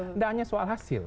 tidak hanya soal hasil